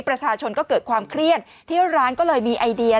ประชาชนก็เกิดความเครียดที่ร้านก็เลยมีไอเดีย